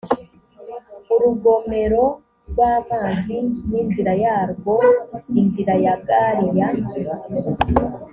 urugomerorw amazi n inzira yarwo inzira ya gari ya